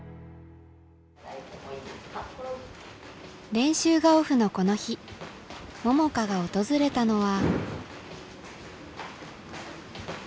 練習がオフのこの日桃佳が訪れたのは。